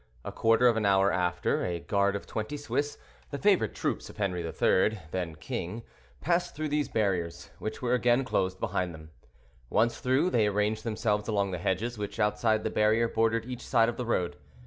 A quarter of an hour after, a guard of twenty Swiss, the favorite troops of Henri III., then king, passed through these barriers, which were again closed behind them. Once through, they arranged themselves along the hedges, which, outside the barrier, bordered each side of the road.